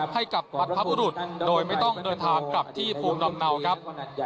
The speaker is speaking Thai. ให้กับบรรพบุรุษโดยไม่ต้องเดินทางกลับที่ภูมิลำเนาครับ